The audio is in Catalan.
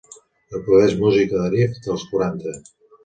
Reprodueix música d'Arif dels quaranta.